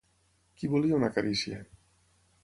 Qui volia una carícia?